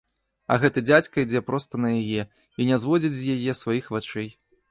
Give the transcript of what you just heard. А гэты дзядзька ідзе проста на яе і не зводзіць з яе сваіх вачэй.